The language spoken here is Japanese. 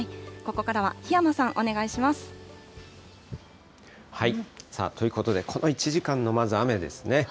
ここからは檜山さん、お願いしまということで、この１時間のまず雨ですね。